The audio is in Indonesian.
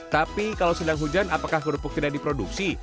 tapi kalau sedang hujan apakah kerupuk tidak diproduksi